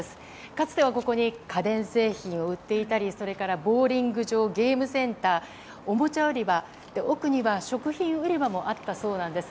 かつてはここに家電製品を売っていたりボウリング場、ゲームセンターおもちゃ売り場奥には食品売り場もあったそうなんです。